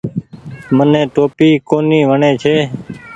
مني ٽوپي ڪونيٚ وڻي ڇي۔